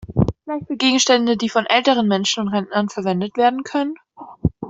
Vielleicht für Gegenstände, die von älteren Menschen und Rentnern verwendet werden können?